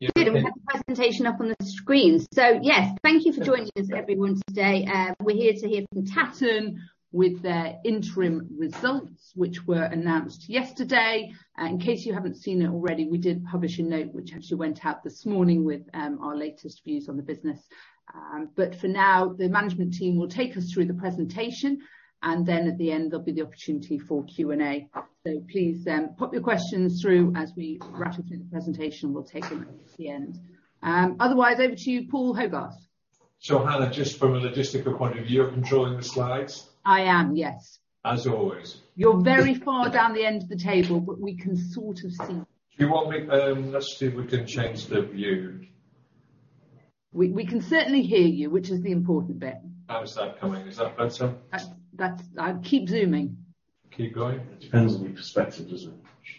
Good. We have the presentation up on the screen. Yes, thank you for joining us everyone today. We're here to hear from Tatton with their interim results, which were announced yesterday. In case you haven't seen it already, we did publish a note which actually went out this morning with our latest views on the business. For now, the management team will take us through the presentation, and then at the end, there'll be the opportunity for Q&A. Please, pop your questions through as we rattle through the presentation. We'll take them at the end. Otherwise, over to you, Paul Hogarth. Hannah, just from a logistical point of view, you're controlling the slides? I am, yes. As always. You're very far down the end of the table, but we can sort of see. Do you want me, Let's see if we can change the view. We can certainly hear you, which is the important bit. How is that coming? Is that better? That's. Keep zooming. Keep going? It depends on your perspective, doesn't it?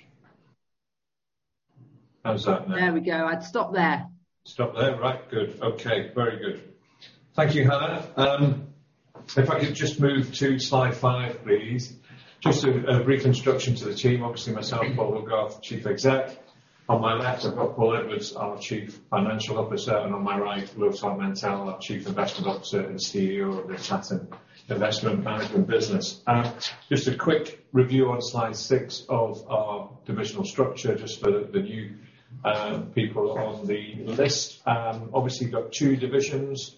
How's that now? There we go. I'd stop there. Stop there, right. Good. Okay. Very good. Thank you, Hannah. If I could just move to slide five, please. Just a brief introduction to the team. Obviously myself, Paul Hogarth, Chief Exec. On my left, I've got Paul Edwards, our Chief Financial Officer, and on my right, Lothar Mentel, our Chief Investment Officer and CEO of the Tatton Investment Management business. Just a quick review on slide six of our divisional structure just for the new people on the list. Obviously got two divisions,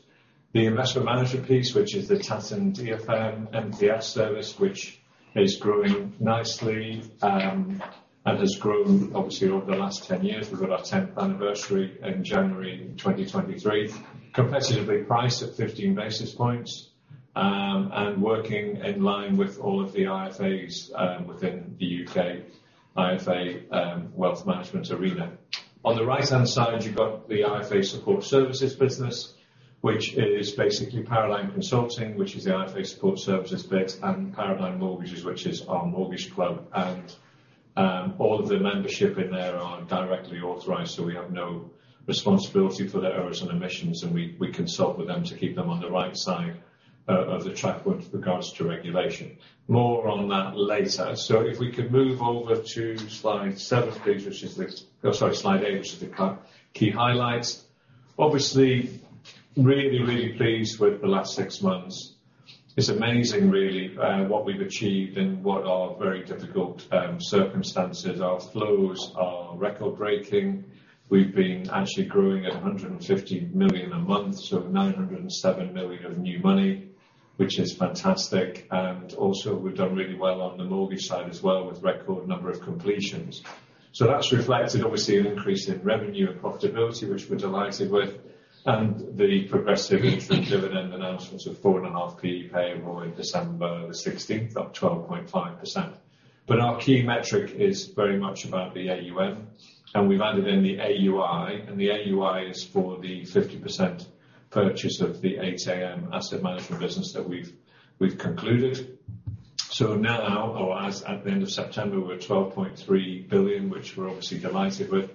the investment management piece, which is the Tatton DFM MPS service, which is growing nicely and has grown obviously over the last 10 years. We've got our 10th anniversary in January 2023. Competitively priced at 15 basis points, and working in line with all of the IFAs within the U.K IFA wealth management arena. On the right-hand side, you've got the IFA support services business, which is basically Paradigm Consulting, which is the IFA support services bit, and Paradigm Mortgages, which is our mortgage club. All of the membership in there are directly authorized, so we have no responsibility for their errors and omissions, and we consult with them to keep them on the right side of the track with regards to regulation. More on that later. If we could move over to slide seven, please, which is slide eight, which is the key highlights. Obviously, really, really pleased with the last six months. It's amazing really, what we've achieved in what are very difficult circumstances. Our flows are record-breaking. We've been actually growing at 150 million a month, so 907 million of new money, which is fantastic. Also, we've done really well on the mortgage side as well with record number of completions. That's reflected obviously an increase in revenue and profitability, which we're delighted with, and the progressive interim dividend announcements of 4.5P payable in December 16th, up 12.5%. Our key metric is very much about the AUM, and we've added in the AUI, and the AUI is for the 50% purchase of the 8AM asset management business that we've concluded. Now, or as at the end of September, we're at 12.3 billion, which we're obviously delighted with.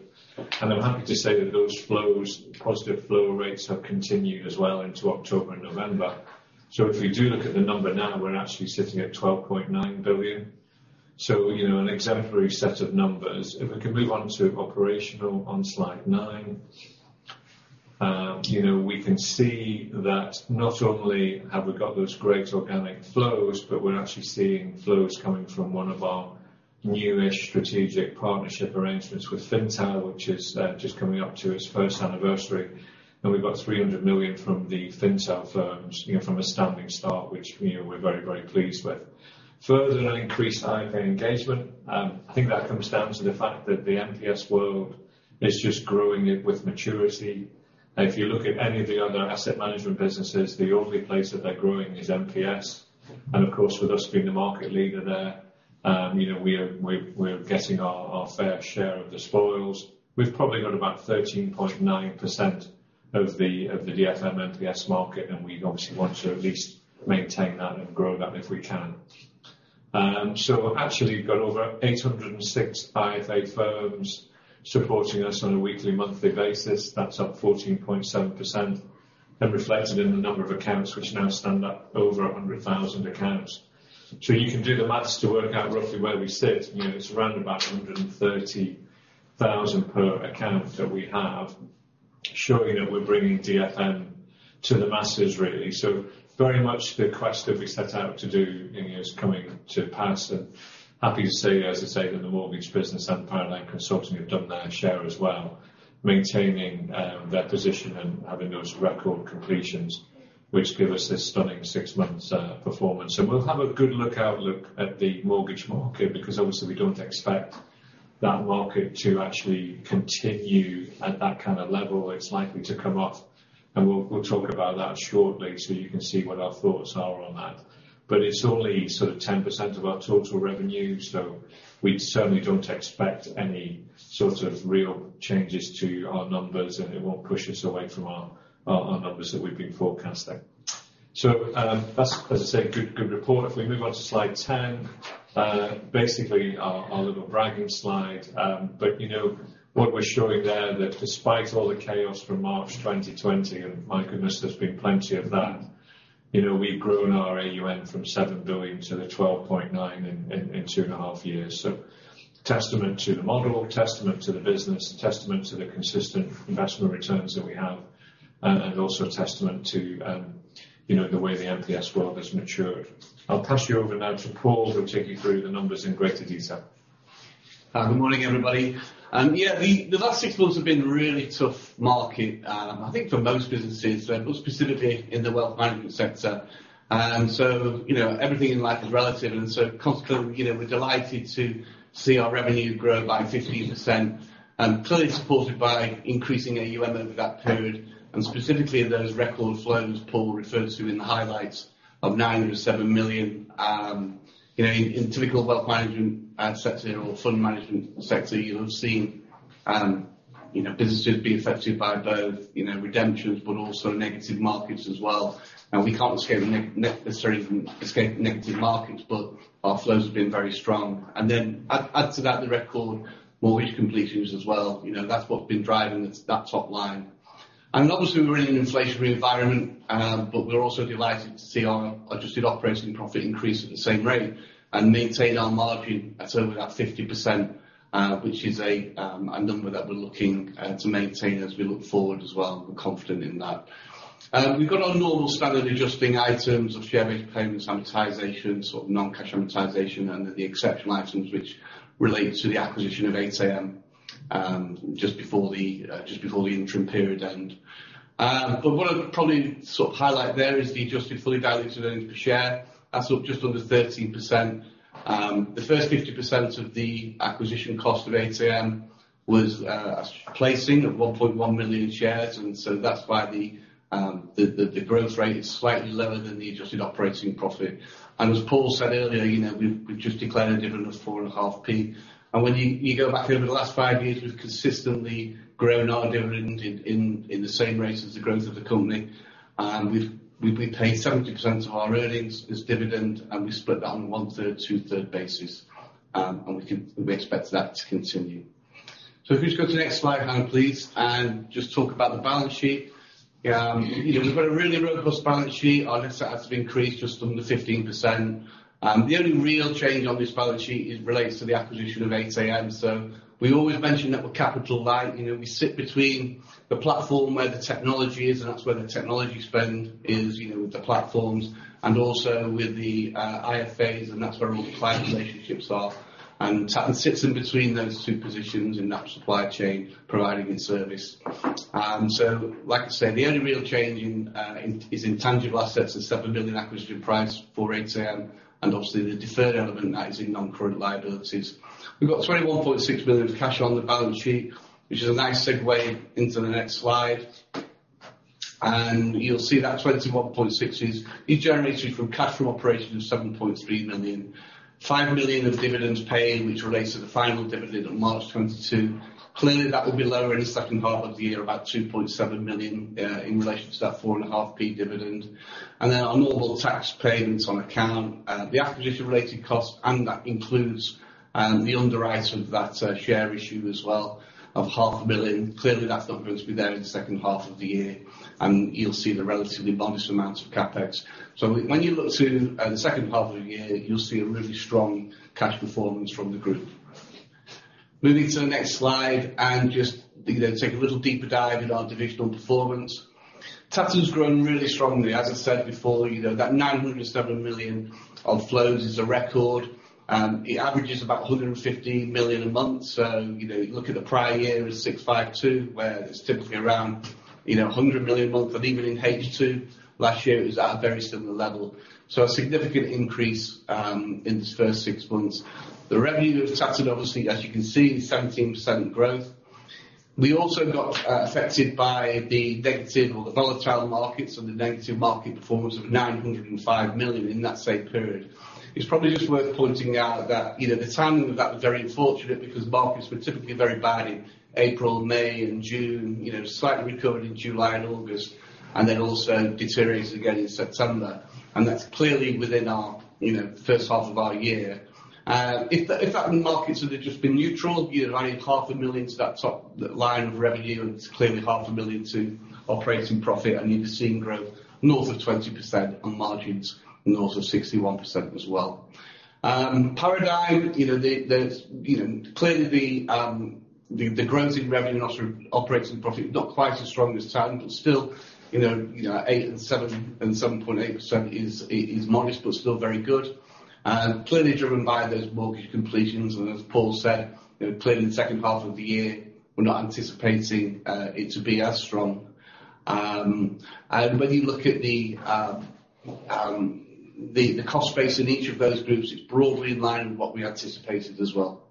I'm happy to say that those flows, positive flow rates, have continued as well into October and November. If we do look at the number now, we're actually sitting at 12.9 billion. So, you know, an exemplary set of numbers. If we can move on to operational on slide nine. We can see that not only have we got those great organic flows, but we're actually seeing flows coming from one of our newest strategic partnership arrangements with Fintel, which is just coming up to its first anniversary. We've got 300 million from the Fintel firms, you know, from a standing start, which, you know, we're very, very pleased with. Further increased IFA engagement. I think that comes down to the fact that the MPS world is just growing it with maturity. If you look at any of the other asset management businesses, the only place that they're growing is MPS. Of course, with us being the market leader there, you know, we're getting our fair share of the spoils. We've probably got about 13.9% of the DFM MPS market, and we'd obviously want to at least maintain that and grow that if we can. Actually, we've got over 806 IFA firms supporting us on a weekly, monthly basis. That's up 14.7% and reflected in the number of accounts which now stand at over 100,000 accounts. You can do the math to work out roughly where we sit. You know, it's around about 130,000 per account that we have, showing that we're bringing DFM to the masses really. Very much the quest that we set out to do, you know, is coming to pass. Happy to say, as I say, that the mortgage business and Paradigm Consulting have done their share as well, maintaining their position and having those record completions, which give us this stunning 6 months performance. We'll have a good look outlook at the mortgage market because obviously we don't expect that market to actually continue at that kind of level. It's likely to come off. We'll talk about that shortly, so you can see what our thoughts are on that. It's only sort of 10% of our total revenue, we certainly don't expect any sort of real changes to our numbers, and it won't push us away from our numbers that we've been forecasting. That's, as I say, good report. We move on to slide 10. Basically our little bragging slide. You know, what we're showing there that despite all the chaos from March 2020, and my goodness, there's been plenty of that, you know, we've grown our AUM from 7 billion to 12.9 billion in 2.5 years. Testament to the model, testament to the business, a testament to the consistent investment returns that we have, and also a testament to, you know, the way the MPS world has matured. I'll pass you over now to Paul, who will take you through the numbers in greater detail. Good morning, everybody. The last six months have been really tough market, I think for most businesses, but more specifically in the wealth management sector. You know, everything in life is relative, and so consequently, you know, we're delighted to see our revenue grow by 15%. Clearly supported by increasing AUM over that period, and specifically those record flows Paul referred to in the highlights of 907 million. You know, in typical wealth management sector or fund management sector, you'll have seen, you know, businesses be affected by both, you know, redemptions, but also negative markets as well. We can't necessarily escape negative markets, but our flows have been very strong. Add to that the record mortgage completions as well, you know, that's what's been driving it, that top line. Obviously, we're in an inflationary environment. We're also delighted to see our adjusted operating profit increase at the same rate and maintain our margin at over that 50%, which is a number that we're looking to maintain as we look forward as well. We're confident in that. We've got our normal standard adjusting items of share-based payments, amortizations or non-cash amortization, and the exceptional items which relate to the acquisition of 8AM just before the interim period end. What I'd probably sort of highlight there is the adjusted fully valued earnings per share. That's up just under 13%. The first 50% of the acquisition cost of 8AM was a placing of 1.1 million shares, that's why the growth rate is slightly lower than the adjusted operating profit. As Paul said earlier, you know, we've just declared a dividend of 4.5p. You go back over the last 5 years, we've consistently grown our dividend in the same rates as the growth of the company. We pay 70% of our earnings as dividend, and we split that on one-third, two-third basis. We expect that to continue. You just go to the next slide, Hannah, please, and just talk about the balance sheet. You know, we've got a really robust balance sheet. Our asset has been increased just under 15%. The only real change on this balance sheet relates to the acquisition of 8AM. We always mention that we're capital light. You know, we sit between the platform where the technology is, and that's where the technology spend is, you know, with the platforms, and also with the IFAs, and that's where all the client relationships are. Tatton sits in between those two positions in that supply chain, providing its service. Like I say, the only real change is in tangible assets, the 7 billion acquisition price for 8AM and obviously the deferred element that is in non-current liabilities. We've got 21.6 billion of cash on the balance sheet, which is a nice segue into the next slide. You'll see that 21.6 is generated from cash from operating of 7.3 million, 5 million of dividends paid, which relates to the final dividend of March 2022. Clearly, that will be lower in the second half of the year, about 2.7 million, in relation to that four and a half p dividend. Our normal tax payments on account, the acquisition related cost, and that includes the underwrite of that share issue as well of half a billion. Clearly, that's not going to be there in the second half of the year. You'll see the relatively modest amounts of CapEx. When you look to the second half of the year, you'll see a really strong cash performance from the group. Moving to the next slide and just, you know, take a little deeper dive into our divisional performance. Tatton's grown really strongly. As I said before, you know, that 907 million of flows is a record. It averages about 150 million a month. You know, you look at the prior year, it was 652 million, where it's typically around, you know, 100 million a month. Even in H2 last year, it was at a very similar level. A significant increase in this first six months. The revenue of Tatton, obviously, as you can see, 17% growth. We also got affected by the negative or the volatile markets and the negative market performance of 905 million in that same period. It's probably just worth pointing out that, you know, the timing of that was very unfortunate because markets were typically very bad in April, May and June, you know, slightly recovered in July and August, and then also deteriorated again in September. That's clearly within our, you know, first half of our year. If that markets had just been neutral, you'd have added half a million to that top line of revenue, and it's clearly half a million to operating profit, and you're seeing growth north of 20% on margins, north of 61% as well. Paradigm, you know, there's, you know, clearly the growth in revenue and also operating profit, not quite as strong as Tatton, but still, you know, eight and seven and 7.8% is modest but still very good. Clearly driven by those mortgage completions, and as Paul said, you know, clearly in the second half of the year, we're not anticipating it to be as strong. When you look at the cost base in each of those groups, it's broadly in line with what we anticipated as well.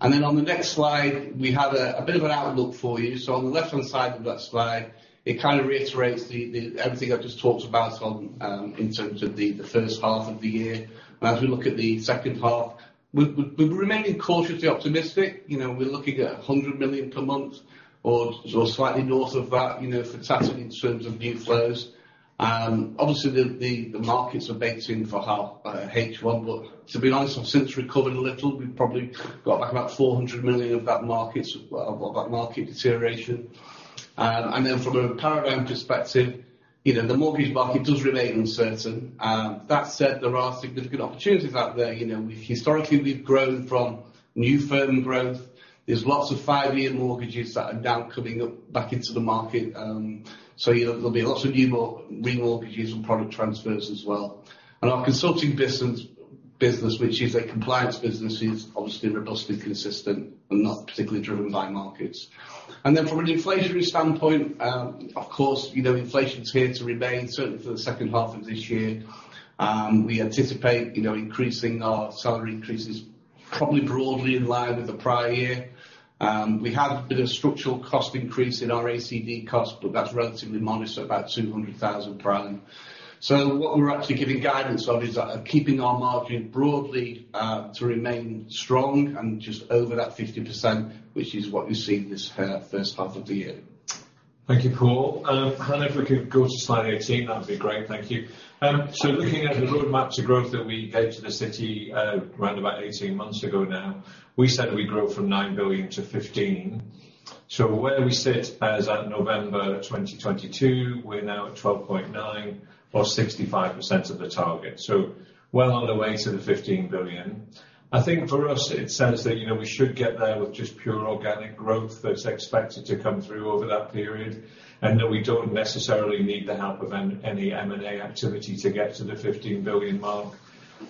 On the next slide, we have a bit of an outlook for you. On the left-hand side of that slide, it kind of reiterates everything I've just talked about on in terms of the first half of the year. As we look at the second half, we're remaining cautiously optimistic. You know, we're looking at 100 million per month or sort of slightly north of that, you know, for Tatton in terms of new flows. Obviously the, the markets are baked in for H1, but to be honest, have since recovered a little. We've probably got like about 400 million of that markets, of that market deterioration. From a Paradigm perspective, you know, the mortgage market does remain uncertain. That said, there are significant opportunities out there. We've historically we've grown from new firm growth. There's lots of five-year mortgages that are now coming up back into the market, so there'll be lots of new remortgages and product transfers as well. Our consulting business, which is a compliance business, is obviously robustly consistent and not particularly driven by markets. From an inflationary standpoint, of course, you know, inflation is here to remain, certainly for the second half of this year. We anticipate, you know, increasing our salary increases probably broadly in line with the prior year. We have a bit of structural cost increase in our ACD cost, but that's relatively modest at about 200,000. What we're actually giving guidance on is keeping our margin broadly to remain strong and just over that 50%, which is what you see this first half of the year. Thank you, Paul. If we could go to slide 18, that'd be great. Thank you. Looking at the roadmap to growth that we gave to the city, round about 18 months ago now, we said we'd grow from 9 billion to 15 billion. Where we sit as at November 2022, we're now at 12.9 billion or 65% of the target, so well on the way to the 15 billion. I think for us, it says that, you know, we should get there with just pure organic growth that's expected to come through over that period, and that we don't necessarily need the help of any M&A activity to get to the 15 billion mark.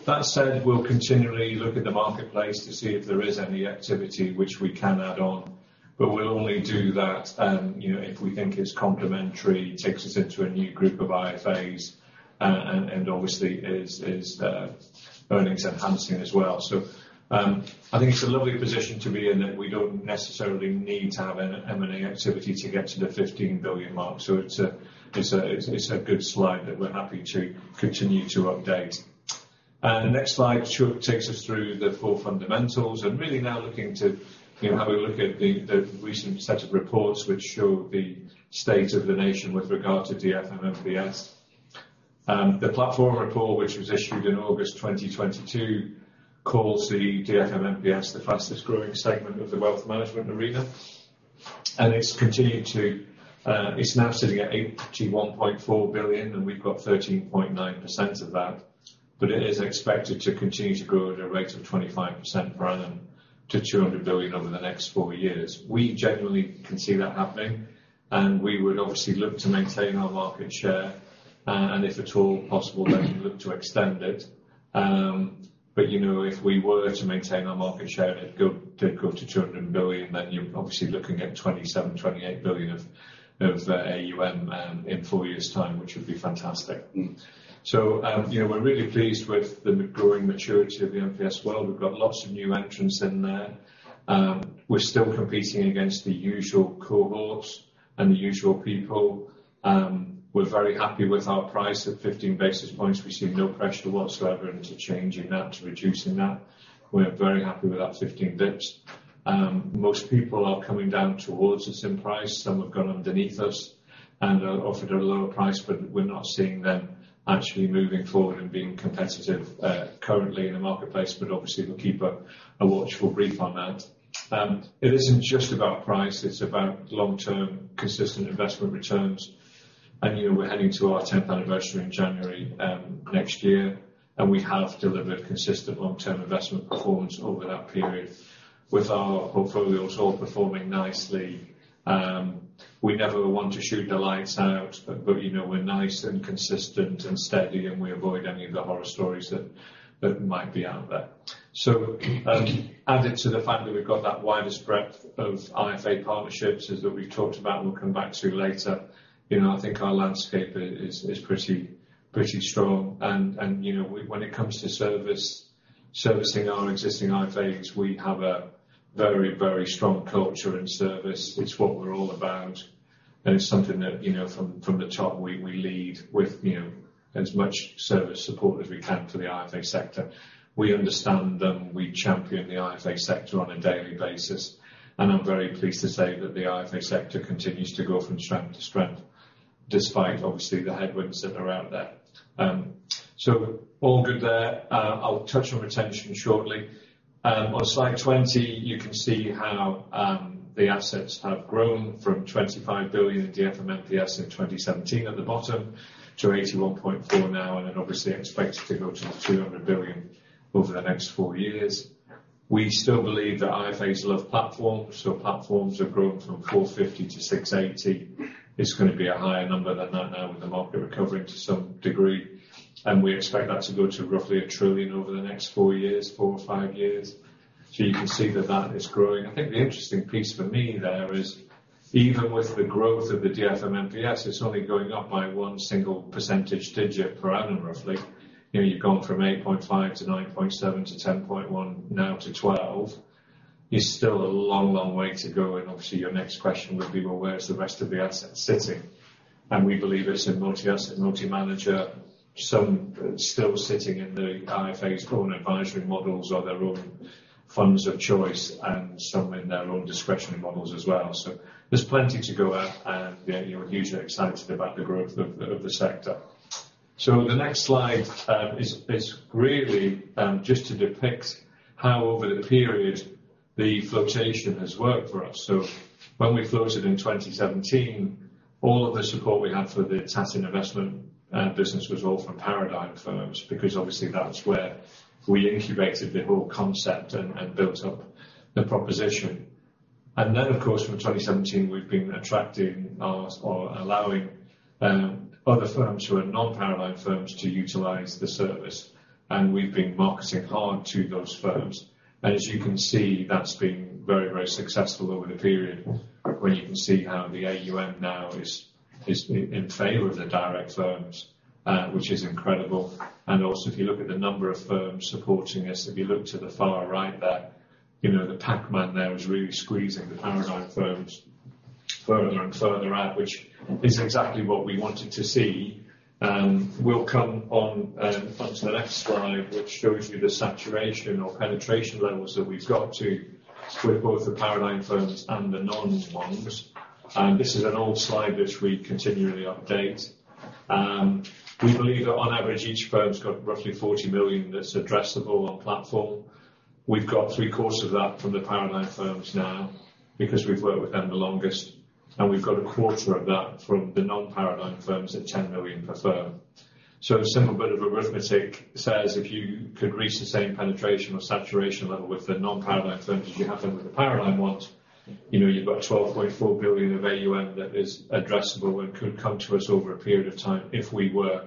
That said, we'll continually look at the marketplace to see if there is any activity which we can add on, but we'll only do that, you know, if we think it's complementary, takes us into a new group of IFAs, and obviously is earnings enhancing as well. I think it's a lovely position to be in that we don't necessarily need to have an M&A activity to get to the 15 billion mark. it's a good slide that we're happy to continue to update. The next slide takes us through the four fundamentals and really now looking to, you know, have a look at the recent set of reports which show the state of the nation with regard to DFM MPS. The platform report, which was issued in August 2022, calls the DFM MPS the fastest growing segment of the wealth management arena. It's continued to. It's now sitting at 81.4 billion, and we've got 13.9% of that. It is expected to continue to grow at a rate of 25% per annum to 200 billion over the next four years. We genuinely can see that happening, and we would obviously look to maintain our market share, and if at all possible, then look to extend it. If we were to maintain our market share and it go to 200 billion, then you're obviously looking at 27 billion-28 billion of AUM in four years' time, which would be fantastic. You know, we're really pleased with the growing maturity of the MPS world. We've got lots of new entrants in there. We're still competing against the usual cohorts and the usual people. We're very happy with our price at 15 basis points. We see no pressure whatsoever into changing that, to reducing that. We're very happy with that 15 bps. Most people are coming down towards us in price. Some have gone underneath us and are offered at a lower price, but we're not seeing them actually moving forward and being competitive currently in the marketplace, but obviously we'll keep a watchful brief on that. It isn't just about price, it's about long-term consistent investment returns. You know, we're heading to our 10th anniversary in January next year, and we have delivered consistent long-term investment performance over that period with our portfolios all performing nicely. We never want to shoot the lights out, but we're nice and consistent and steady, and we avoid any of the horror stories that might be out there. Added to the fact that we've got that widest breadth of IFA partnerships as that we've talked about, and we'll come back to later. You know, I think our landscape is pretty strong. You know, when it comes to service, servicing our existing IFAs, we have a very strong culture in service. It's what we're all about. It's something that, you know, from the top we lead with, you know, as much service support as we can to the IFA sector. We understand them. We champion the IFA sector on a daily basis. I'm very pleased to say that the IFA sector continues to go from strength to strength, despite obviously the headwinds that are out there. All good there. I'll touch on retention shortly. On slide 20, you can see how the assets have grown from 25 billion in DFM MPS in 2017 at the bottom to 81.4 billion now, obviously expected to go to 200 billion over the next four years. We still believe that IFAs love platforms. Platforms have grown from 450 billion to 680 billion. It's gonna be a higher number than that now with the market recovering to some degree. We expect that to go to roughly 1 trillion over the next four years, four or five years. You can see that that is growing. I think the interesting piece for me there is even with the growth of the DFM MPS, it's only going up by one single percentage digit per annum, roughly. You know, you've gone from 8.5 to 9.7 to 10.1, now to 12. It's still a long, long way to go. Obviously your next question would be, well, where is the rest of the assets sitting? We believe it's in multi-asset, multi-manager, some still sitting in the IFA's own advisory models or their own funds of choice and some in their own discretionary models as well. There's plenty to go at and, you know, hugely excited about the growth of the sector. The next slide is really just to depict how over the period the flotation has worked for us. When we floated in 2017, all of the support we had for the Tatton investment business was all from Paradigm firms, because obviously that's where we incubated the whole concept and built up the proposition. Then, of course, from 2017 we've been attracting our or allowing other firms who are non-Paradigm firms to utilize the service, and we've been marketing hard to those firms. You can see, that's been very, very successful over the period, where you can see how the AUM now is in favor of the direct firms, which is incredible. Also, if you look at the number of firms supporting us, if you look to the far right there, you know, the Pac-Man there is really squeezing the Paradigm firms further and further out, which is exactly what we wanted to see. We'll come on onto the next slide, which shows you the saturation or penetration levels that we've got to with both the Paradigm firms and the non ones. This is an old slide which we continually update. We believe that on average, each firm's got roughly 40 million that's addressable on platform. We've got three-quarters of that from the Paradigm firms now because we've worked with them the longest, and we've got a quarter of that from the non-Paradigm firms at 10 million per firm. a simple bit of arithmetic says if you could reach the same penetration or saturation level with the non-Paradigm firms as you have them with the Paradigm ones, you know, you've got 12.4 billion of AUM that is addressable and could come to us over a period of time if we were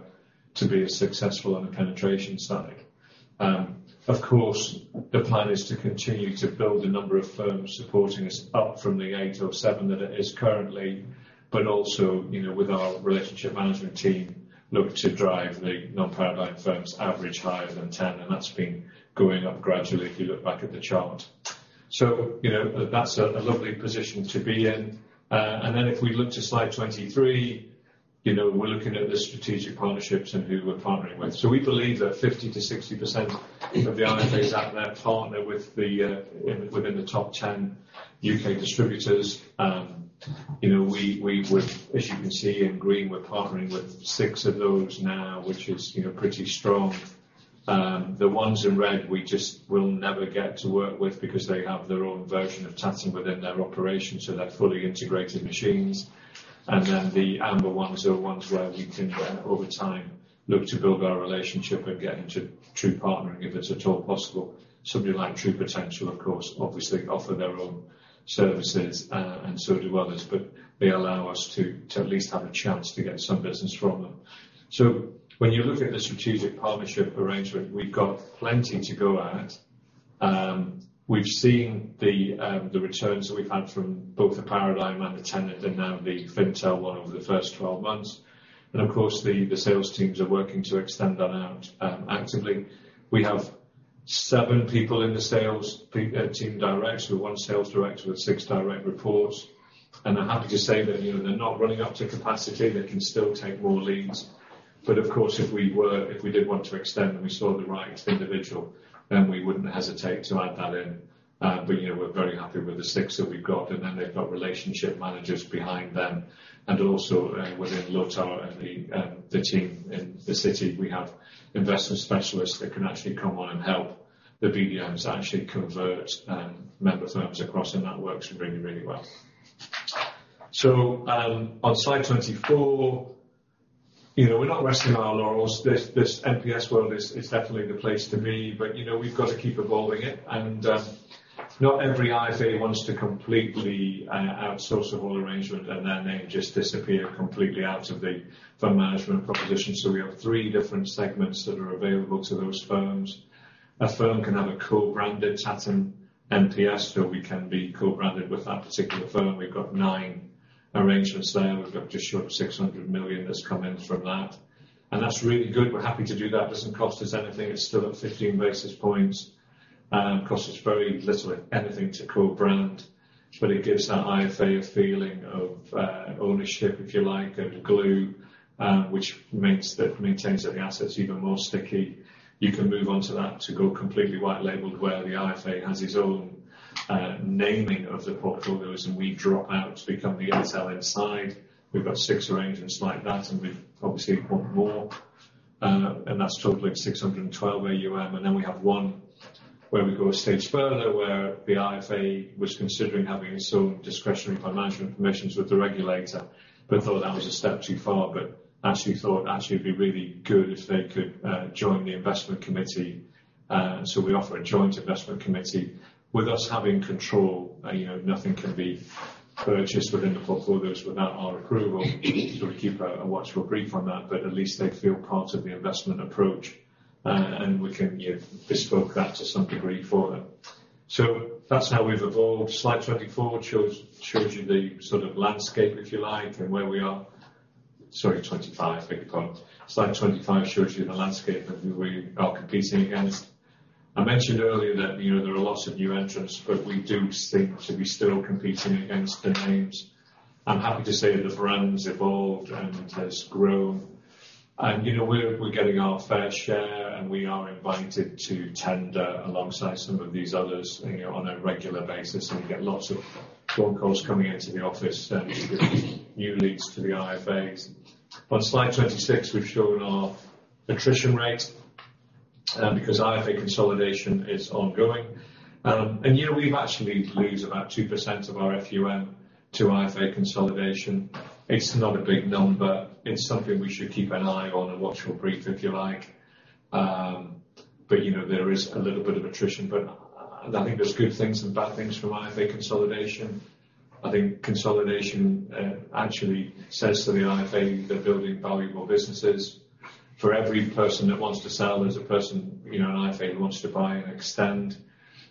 to be as successful on the penetration side. Of course, the plan is to continue to build the number of firms supporting us up from the eight or seven that it is currently. Also, you know, with our relationship management team, look to drive the non-Paradigm firms average higher than 10, and that's been going up gradually if you look back at the chart. You know, that's a lovely position to be in. If we look to slide 23, you know, we're looking at the strategic partnerships and who we're partnering with. We believe that 50%-60% of the IFAs out there partner with the within the top 10 U.K. distributors. you know, As you can see in green, we're partnering with six of those now, which is, you know, pretty strong. The ones in red, we just will never get to work with because they have their own version of Tatton within their operation, so they're fully integrated machines. The amber ones are ones where we can, over time, look to build our relationship and get into true partnering if it's at all possible. Somebody like True Potential, of course, obviously offer their own services, and so do others, they allow us to at least have a chance to get some business from them. When you look at the strategic partnership arrangement, we've got plenty to go at. We've seen the returns that we've had from both the Paradigm and the Tenet and now the Fintel one over the first 12 months. Of course, the sales teams are working to extend that out actively. We have seven people in the sales team direct. One sales director with six direct reports. I'm happy to say that, you know, they're not running up to capacity. They can still take more leads. Of course, if we were... If we did want to extend and we saw the right individual, we wouldn't hesitate to add that in. You know, we're very happy with the six that we've got, they've got relationship managers behind them. Also, within Lothar and the team in the city, we have investment specialists that can actually come on and help the BDMs actually convert member firms across, and that works really, really well. On slide 24, you know, we're not resting on our laurels. This MPS world is definitely the place to be, but, you know, we've got to keep evolving it. Not every IFA wants to completely outsource the whole arrangement and their name just disappear completely out of the fund management proposition. We have 3 different segments that are available to those firms. A firm can have a co-branded Tatton MPS, so we can be co-branded with that particular firm. We've got nine arrangements there. We've got just short of 600 million that's come in from that. That's really good. We're happy to do that. Doesn't cost us anything. It's still at 15 basis points. Costs us very little, if anything, to co-brand, but it gives that IFA a feeling of ownership, if you like, and glue, which maintains the assets even more sticky. You can move on to that to go completely white labeled, where the IFA has its own naming of the portfolios, and we drop out to become the ISL inside. We've got six arrangements like that, and we obviously want more. That's totaling 612 AUM. We have one where we go a stage further, where the IFA was considering having its own discretionary fund management permissions with the regulator, but thought that was a step too far, actually thought actually it'd be really good if they could join the investment committee. We offer a joint investment committee with us having control. You know, nothing can be purchased within the portfolios without our approval. We keep a watchful brief on that, but at least they feel part of the investment approach. We can bespoke that to some degree for them. That's how we've evolved. Slide 24 shows you the sort of landscape, if you like, and where we are. Sorry, 25. Beg your pardon. Slide 25 shows you the landscape of who we are competing against. I mentioned earlier that, you know, there are lots of new entrants, but we do seem to be still competing against the names. I'm happy to say the brand's evolved and has grown. You know, we're getting our fair share, and we are invited to tender alongside some of these others, you know, on a regular basis, and we get lots of phone calls coming into the office, new leads for the IFAs. On slide 26, we've shown our attrition rate because IFA consolidation is ongoing. Yeah, we actually lose about 2% of our FUM to IFA consolidation. It's not a big number. It's something we should keep an eye on and watch briefly, if you like. You know, there is a little bit of attrition, but I think there's good things and bad things from IFA consolidation. I think consolidation actually says to the IFA they're building valuable businesses. For every person that wants to sell, there's a person, you know, an IFA who wants to buy and extend.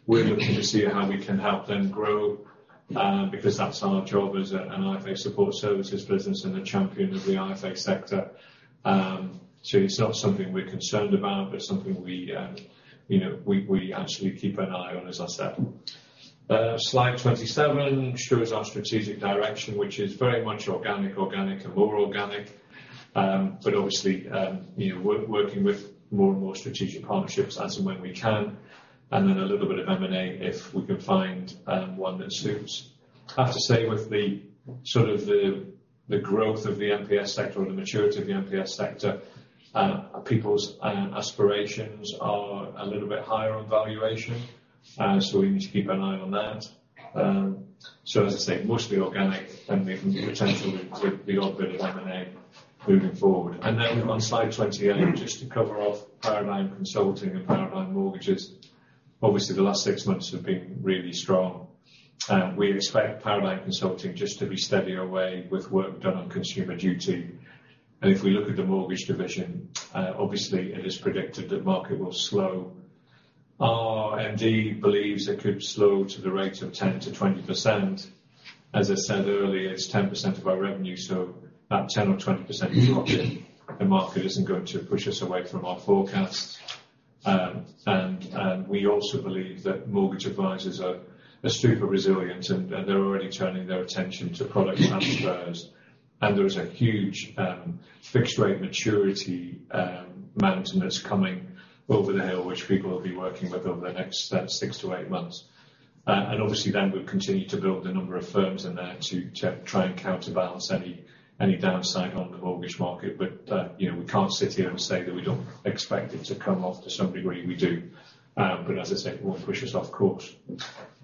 We're looking to see how we can help them grow because that's our job as an IFA support services business and a champion of the IFA sector. It's not something we're concerned about, but something we, you know, we actually keep an eye on, as I said. Slide 27 shows our strategic direction, which is very much organic, and more organic. Obviously, you know, we're working with more and more strategic partnerships as and when we can. A little bit of M&A if we can find one that suits. I have to say with the sort of the growth of the MPS sector or the maturity of the MPS sector, people's aspirations are a little bit higher on valuation. We need to keep an eye on that. As I say, mostly organic, and we can potentially do a bit of M&A moving forward. On slide 28, just to cover off Paradigm Consulting and Paradigm Mortgages. Obviously, the last six months have been really strong. We expect Paradigm Consulting just to be steady away with work done on Consumer Duty. If we look at the mortgage division, obviously it is predicted that market will slow. Our MD believes it could slow to the rate of 10%-20%. As I said earlier, it's 10% of our revenue, so that 10% or 20% drop in the market isn't going to push us away from our forecast. We also believe that mortgage advisors are super resilient, and they're already turning their attention to product transfers. There is a huge fixed rate maturity mountain that's coming over the hill, which people will be working with over the next six-eight months. Obviously then we'll continue to build the number of firms in there to try and counterbalance any downside on the mortgage market. You know, we can't sit here and say that we don't expect it to come off to some degree, we do. As I said, it won't push us off course.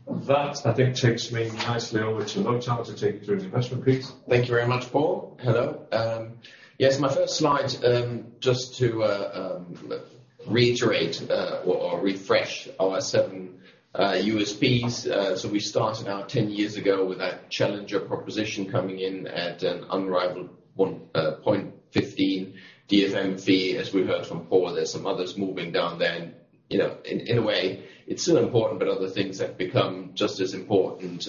That, I think, takes me nicely over to Lothar to take you through the investment, please. Thank you very much, Paul. Hello. Yes, my first slide, just to reiterate or refresh our seven U.SPs. We started out 10 years ago with that challenger proposition coming in at an unrivaled 1.15% DFM fee. As we heard from Paul, there's some others moving down there. In a way, it's still important, but other things have become just as important.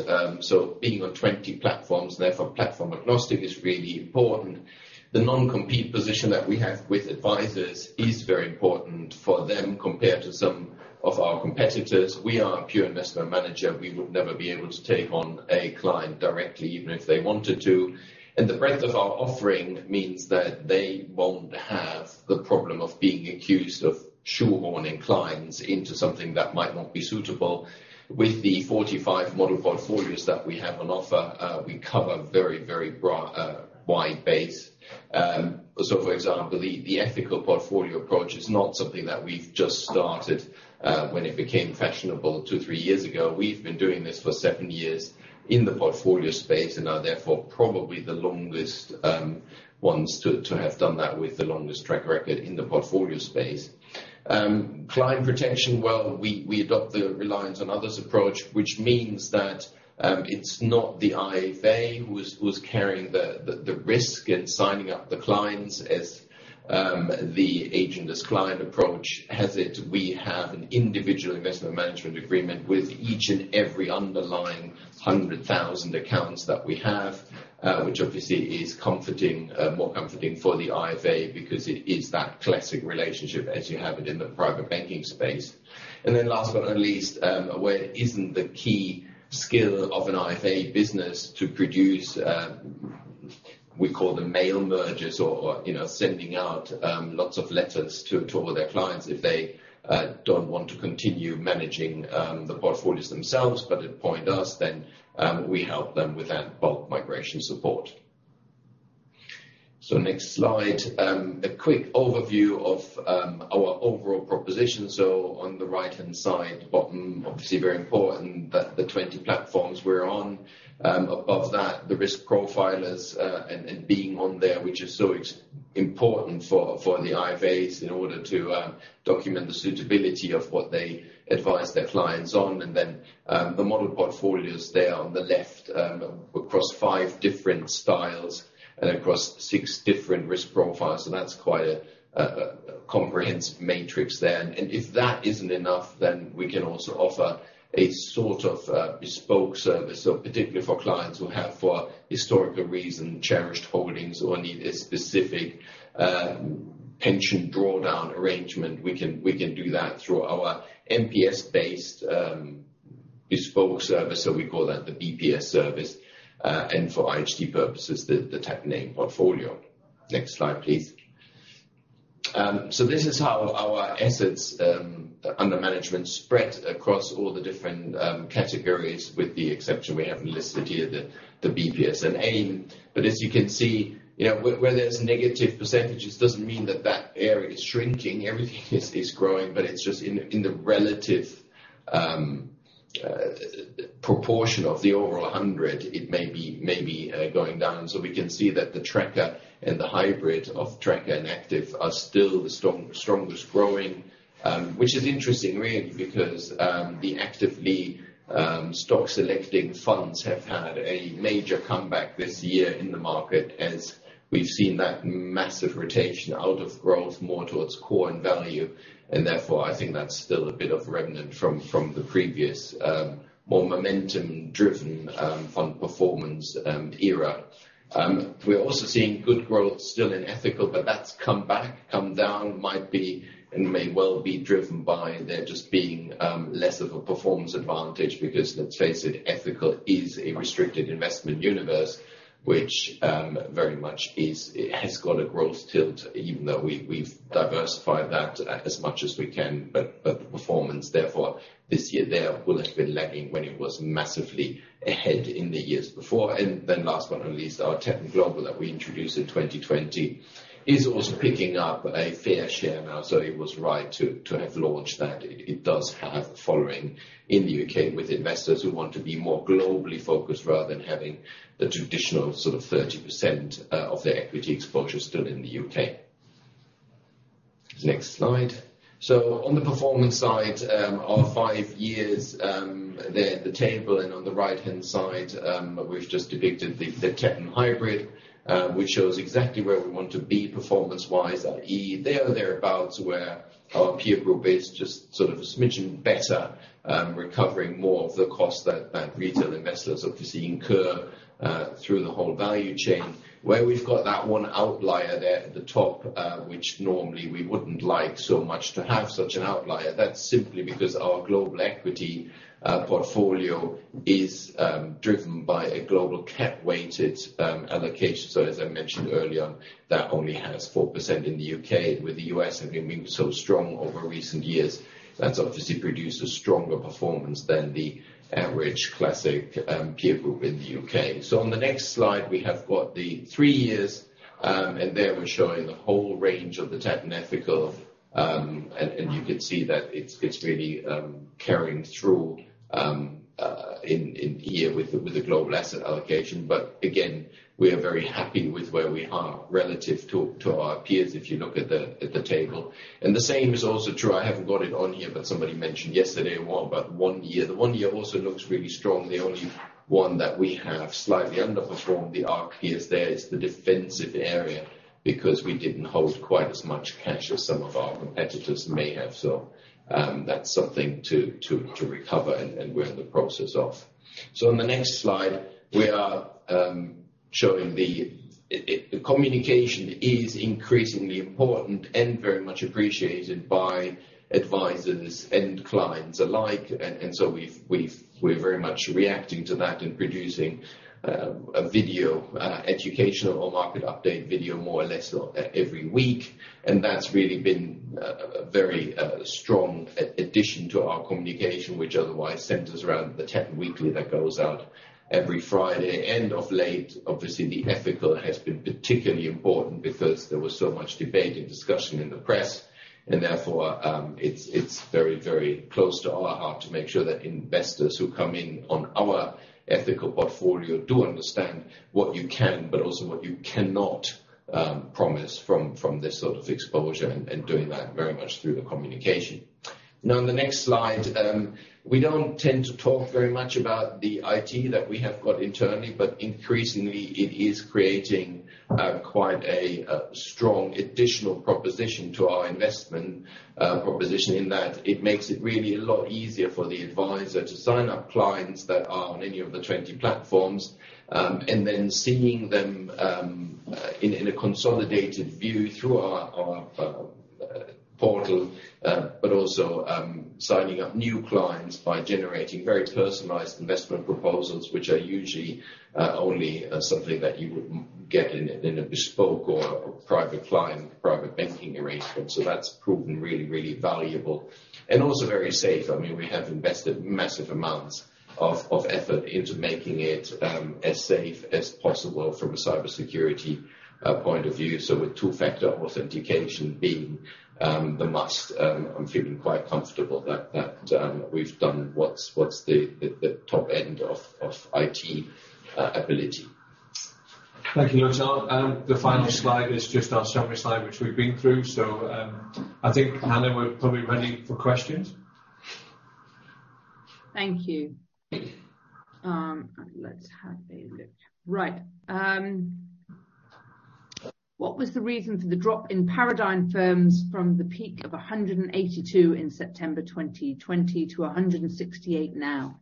Being on 20 platforms, therefore platform agnostic is really important. The non-compete position that we have with advisors is very important for them compared to some of our competitors. We are a pure investment manager. We would never be able to take on a client directly, even if they wanted to. The breadth of our offering means that they won't have the problem of being accused of sure-horning clients into something that might not be suitable. With the 45 model portfolios that we have on offer, we cover very, very broad, wide base. For example, the ethical portfolio approach is not something that we've just started, when it became fashionable two, three years ago. We've been doing this for seven years in the portfolio space and are therefore probably the longest ones to have done that with the longest track record in the portfolio space. Client protection, well, we adopt the Reliance on Others approach, which means that it's not the IFA who is carrying the risk in signing up the clients as the Agent as Client approach has it. We have an individual investment management agreement with each and every underlying 100,000 accounts that we have, which obviously is comforting, more comforting for the IFA because it is that classic relationship as you have it in the private banking space. Last but not least, where it isn't the key skill of an IFA business to produce, we call them mail merges or, you know, sending out lots of letters to all their clients if they don't want to continue managing the portfolios themselves, but they appoint us then, we help them with that bulk migration support. Next slide. A quick overview of our overall proposition. On the right-hand side, bottom, obviously very important that the 20 platforms we're on. Above that, the risk profilers, and being on there, which is so important for the IFAs in order to document the suitability of what they advise their clients on. The model portfolio is there on the left, across five different styles and across six different risk profiles. That's quite a comprehensive matrix there. If that isn't enough, then we can also offer a sort of bespoke service, so particularly for clients who have for historical reason, cherished holdings or need a specific pension drawdown arrangement. We can do that through our MPS based bespoke service. We call that the BPS service. For IHT purposes, the Tatton name portfolio. Next slide, please. This is how our assets under management spread across all the different categories with the exception we haven't listed here, the BPS and AIM. As you can see, you know, whether it's negative % doesn't mean that that area is shrinking. Everything is growing, but it's just in the relative proportion of the overall 100%, it may be going down. We can see that the tracker and the hybrid of tracker and active are still the strongest growing, which is interesting really because the actively stock selecting funds have had a major comeback this year in the market as we've seen that massive rotation out of growth more towards core and value. Therefore, I think that's still a bit of remnant from the previous, more momentum-driven, fund performance, era. We're also seeing good growth still in Ethical, but that's come back, come down. Might be, and may well be driven by there just being, less of a performance advantage because let's face it, Ethical is a restricted investment universe which, very much is, has got a growth tilt, even though we've diversified that as much as we can. But the performance therefore this year there will have been lagging when it was massively ahead in the years before. Then last but not least, our Tatton Global that we introduced in 2020 is also picking up a fair share now. It was right to have launched that. It does have a following in the U.K. with investors who want to be more globally focused rather than having the traditional sort of 30% of their equity exposure still in the U.K. Next slide. On the performance side, our five years there, the table and on the right-hand side, we've just depicted the Tatton Core, which shows exactly where we want to be performance-wise, i.e., there or thereabouts, where our peer group is just sort of a smidgen better, recovering more of the cost that retail investors obviously incur through the whole value chain. We've got that one outlier there at the top, which normally we wouldn't like so much to have such an outlier, that's simply because our global equity portfolio is driven by a global cap-weighted allocation. As I mentioned earlier, that only has 4% in the U.K. With the U.S having been so strong over recent years, that's obviously produced a stronger performance than the average classic peer group in the U.K. On the next slide we have got the three years, and there we're showing the whole range of the Tatton Ethical, and you can see that it's really carrying through in here with the global asset allocation. Again, we are very happy with where we are relative to our peers, if you look at the table. The same is also true, I haven't got it on here, but somebody mentioned yesterday, what about one year? The one year also looks really strong. The only one that we have slightly underperformed the ARC is there. It's the defensive area because we didn't hold quite as much cash as some of our competitors may have. That's something to recover and we're in the process of. On the next slide, we are showing the communication is increasingly important and very much appreciated by advisors and clients alike. We're very much reacting to that and producing a video, educational or market update video more or less every week. That's really been a very strong addition to our communication which otherwise centers around the Tatton Weekly that goes out every Friday. Of late, obviously the ethical has been particularly important because there was so much debate and discussion in the press and therefore, it's very, very close to our heart to make sure that investors who come in on our ethical portfolio do understand what you can, but also what you cannot promise from this sort of exposure and doing that very much through the communication. On the next slide, we don't tend to talk very much about the IT that we have got internally, but increasingly it is creating quite a strong additional proposition to our investment proposition in that it makes it really a lot easier for the advisor to sign up clients that are on any of the 20 platforms, and then seeing them in a consolidated view through our portal. Also, signing up new clients by generating very personalized investment proposals, which are usually only something that you would get in a bespoke or private client, private banking arrangement. That's proven really, really valuable and also very safe. I mean, we have invested massive amounts of effort into making it as safe as possible from a cybersecurity point of view. With two-factor authentication being the must, I'm feeling quite comfortable that we've done what's the top end of IT ability. Thank you, Lutz. The final slide is just our summary slide, which we've been through. I think, Hannah, we're probably ready for questions? Thank you. Let's have a look. Right. What was the reason for the drop in Paradigm firms from the peak of 182 in September 2020 to 168 now?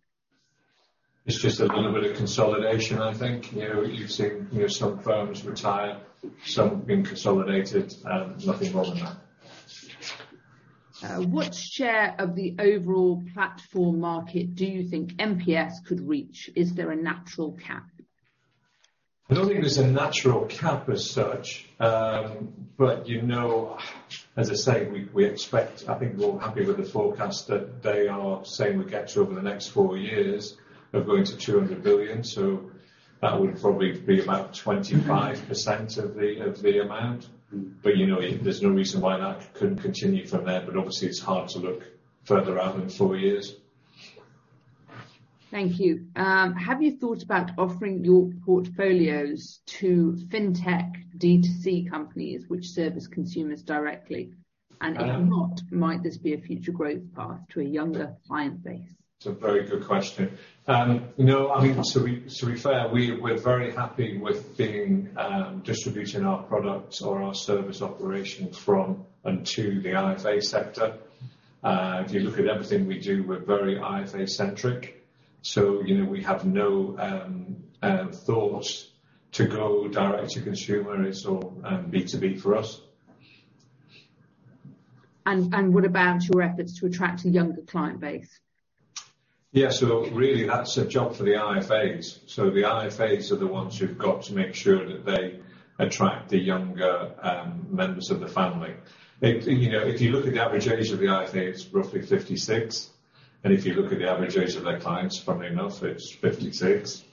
It's just a little bit of consolidation, I think. You know, you've seen, you know, some firms retire, some have been consolidated. Nothing wrong with that. What share of the overall platform market do you think MPS could reach? Is there a natural cap? I don't think there's a natural cap as such. You know, as I say, we expect, I think we're happy with the forecast that they are saying we get to over the next four years of going to 200 billion. That would probably be about 25% of the amount. You know, there's no reason why that couldn't continue from there. Obviously it's hard to look further out than four years. Thank you. Have you thought about offering your portfolios to fintech D2C companies which service consumers directly? If not, might this be a future growth path to a younger client base? That's a very good question. No, I mean, to be fair, we're very happy with being distribution our products or our service operation from and to the IFA sector. If you look at everything we do, we're very IFA centric. You know, we have no thought to go direct to consumer. It's all B2B for us. What about your efforts to attract a younger client base? Yeah. Really that's a job for the IFAs. The IFAs are the ones who've got to make sure that they attract the younger members of the family. You know, if you look at the average age of the IFA, it's roughly 56, and if you look at the average age of their clients, funnily enough, it's 56.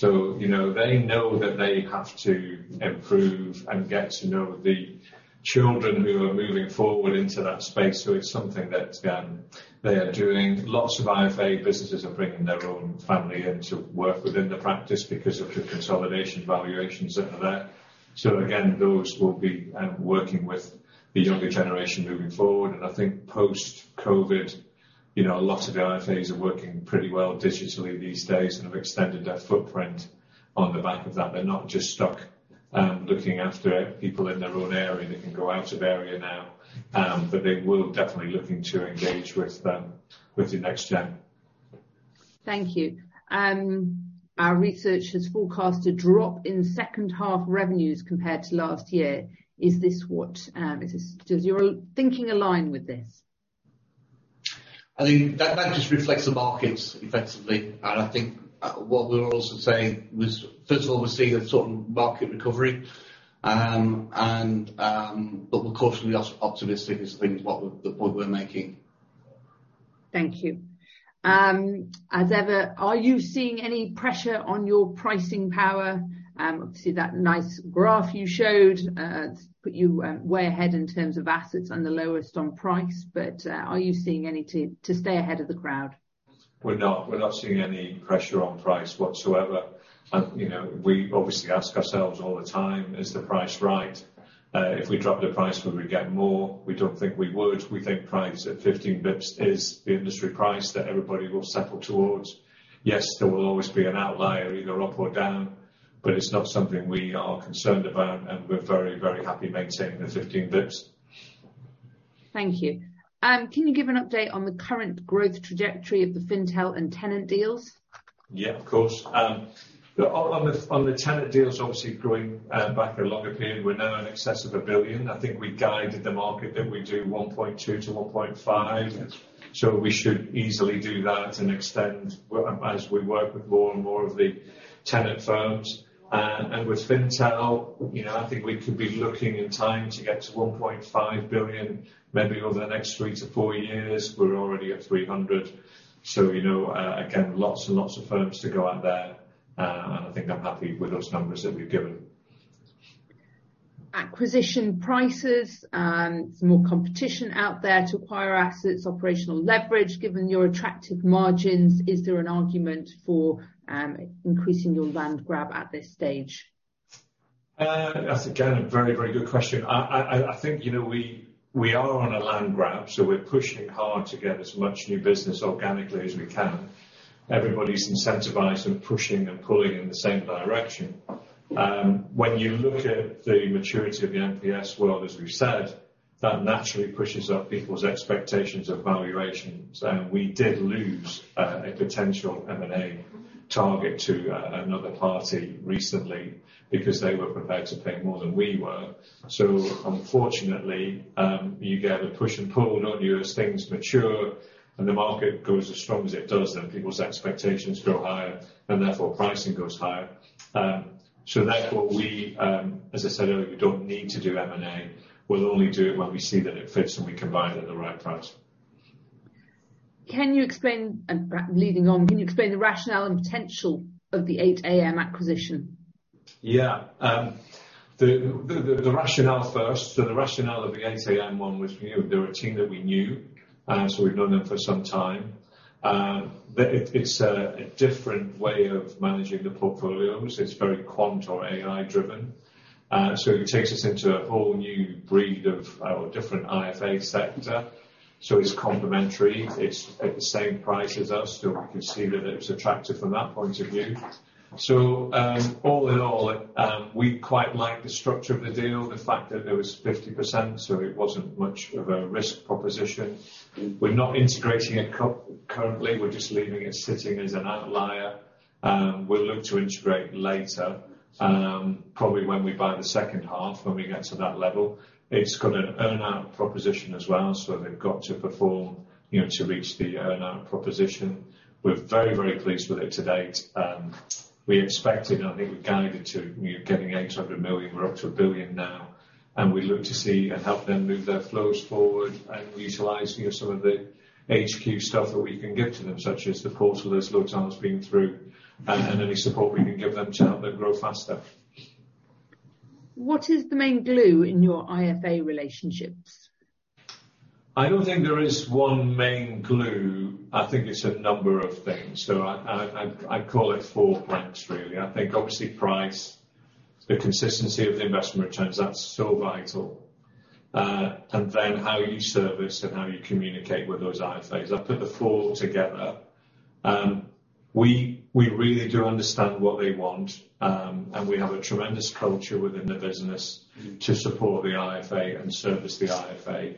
You know, they know that they have to improve and get to know the children who are moving forward into that space. It's something that they are doing. Lots of IFA businesses are bringing their own family in to work within the practice because of the consolidation valuations that are there. Again, those will be working with the younger generation moving forward, and I think post-COVID, you know, a lot of the IFAs are working pretty well digitally these days and have extended their footprint on the back of that. They're not just stuck looking after people in their own area. They can go out of area now. They will definitely looking to engage with them, with the next gen. Thank you. Our research has forecasted drop in second half revenues compared to last year. Does your thinking align with this? I think that just reflects the markets effectively. I think what we're also saying was, first of all, we're seeing a certain market recovery, and but we're cautiously optimistic is things what we're making. Thank you. As ever, are you seeing any pressure on your pricing power? Obviously that nice graph you showed, put you, way ahead in terms of assets and the lowest on price. Are you seeing any to stay ahead of the crowd? We're not seeing any pressure on price whatsoever. You know, we obviously ask ourselves all the time, "Is the price right? If we drop the price, would we get more?" We don't think we would. We think price at 15 basis points is the industry price that everybody will settle towards. There will always be an outlier either up or down, but it's not something we are concerned about, and we're very, very happy maintaining the 15 basis points. Thank you. Can you give an update on the current growth trajectory of the Fintel and Tenet deals? Yeah, of course. On the, on the Tenet deals, obviously growing, back a longer period, we're now in excess of 1 billion. I think we guided the market that we do 1.2 billion-1.5 billion. We should easily do that and extend as we work with more and more of the Tenet firms. With Fintel, you know, I think we could be looking in time to get to 1.5 billion maybe over the next three-four years. We're already at 300 million, you know, again, lots and lots of firms to go at there. I think I'm happy with those numbers that we've given. Acquisition prices. There's more competition out there to acquire assets, operational leverage. Given your attractive margins, is there an argument for increasing your land grab at this stage? That's again a very, very good question. I think, you know, we are on a land grab, so we're pushing hard to get as much new business organically as we can. Everybody's incentivized and pushing and pulling in the same direction. When you look at the maturity of the MPS world, as we've said, that naturally pushes up people's expectations of valuations. We did lose a potential M&A target to another party recently because they were prepared to pay more than we were. Unfortunately, you get a push and pull, don't you? As things mature and the market grows as strong as it does, then people's expectations grow higher and therefore pricing goes higher. Therefore we, as I said earlier, we don't need to do M&A. We'll only do it when we see that it fits and we can buy it at the right price. Leading on, can you explain the rationale and potential of the 8AM acquisition? Yeah. The rationale first. The rationale of the 8AM one was we knew, they were a team that we knew, so we've known them for some time. But it's a different way of managing the portfolios. It's very quant or AI driven. It takes us into a whole new breed of our different IFA sector. It's complementary. It's at the same price as us, we can see that it's attractive from that point of view. All in all, we quite like the structure of the deal, the fact that it was 50%, it wasn't much of a risk proposition. We're not integrating it currently. We're just leaving it sitting as an outlier. We'll look to integrate later, probably when we buy the second half when we get to that level. It's got an earn-out proposition as well, so they've got to perform, you know, to reach the earn-out proposition. We're very, very pleased with it to date. We expected, and I think we guided to, you know, getting 800 million. We're up to 1 billion now. We look to see and help them move their flows forward and utilize, you know, some of the HQ stuff that we can give to them, such as the portal as Lothar's been through, and any support we can give them to help them grow faster. What is the main glue in your IFA relationships? I don't think there is one main glue. I think it's a number of things. I call it four planks, really. I think obviously price, the consistency of the investment returns, that's so vital. How you service and how you communicate with those IFAs. I've put the four together. We really do understand what they want, and we have a tremendous culture within the business to support the IFA and service the IFA.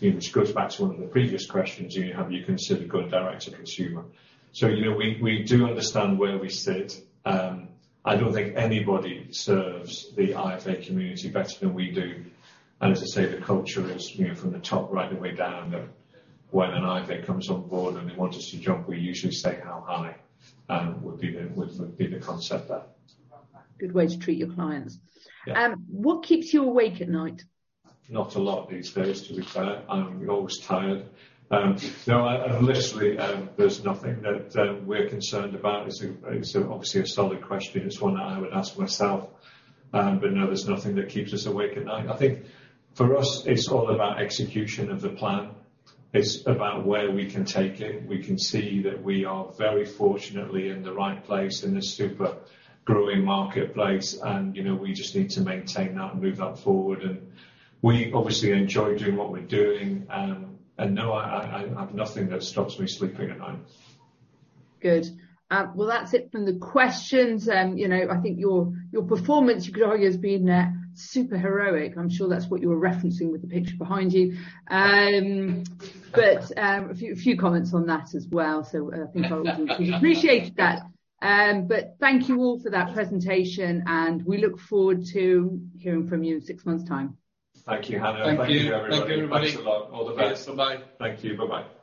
You know, which goes back to one of the previous questions, you know, have you considered going direct to consumer? You know, we do understand where we sit. I don't think anybody serves the IFA community better than we do. As I say, the culture is, you know, from the top right the way down, that when an IFA comes on board and they want us to jump, we usually say how high, would be the concept there. Good way to treat your clients. Yeah. what keeps you awake at night? Not a lot these days, to be fair. I'm always tired. No, literally, there's nothing that we're concerned about. It's a, it's obviously a solid question. It's one that I would ask myself. No, there's nothing that keeps us awake at night. I think for us, it's all about execution of the plan. It's about where we can take it. We can see that we are very fortunately in the right place in this super growing marketplace, and, you know, we just need to maintain that and move that forward and we obviously enjoy doing what we're doing. No, I have nothing that stops me sleeping at night. Good. Well, that's it from the questions. You know, I think your performance could argue as being super heroic. I'm sure that's what you were referencing with the picture behind you. A few comments on that as well. I think I would appreciate that. Thank you all for that presentation, and we look forward to hearing from you in six months' time. Thank you, Hannah. Thank you. Thank you, everybody. Thank you, everybody. Thanks a lot. All the best. Yeah. Bye-bye. Thank you. Bye-bye.